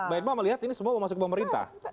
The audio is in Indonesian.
mbak iqbal melihat ini semua mau masuk ke pemerintah